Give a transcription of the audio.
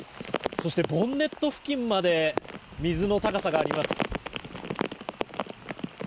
そして、ボンネット付近まで水の高さがあります。